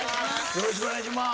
よろしくお願いします。